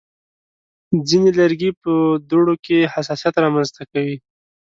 ځینې لرګي په دوړو کې حساسیت رامنځته کوي.